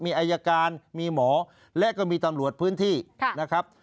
มีอายการมีหมอและก็มีตำรวจพื้นที่นะครับ